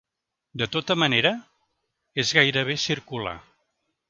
De tota manera, és gairebé circular.